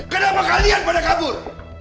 kenapa kalian pada kabur